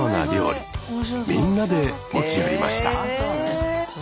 みんなで持ち寄りました。